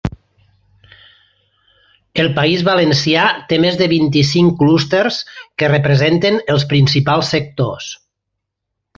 El País Valencià té més de vint-i-cinc clústers que representen els principals sectors.